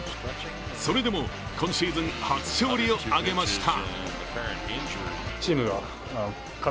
それでも今シーズン初勝利を挙げました。